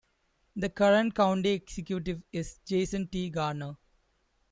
The current county executive is Jason T. Garnar.